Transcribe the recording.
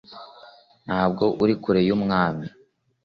ntabwo uri kure y'ubwami